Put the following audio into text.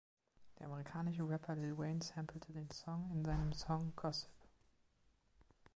Der amerikanische Rapper Lil Wayne samplete den Song in seinem Song „Gossip“.